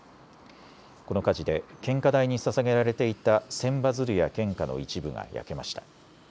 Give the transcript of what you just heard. この火事で献花台にささげられていた千羽鶴や献花の一部が焼けました。